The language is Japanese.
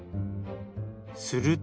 すると。